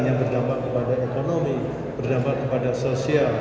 yang berdampak kepada ekonomi berdampak kepada sosial